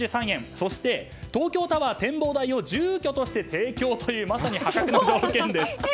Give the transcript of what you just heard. そして、東京タワー展望台を住居として提供というまさに破格な条件です。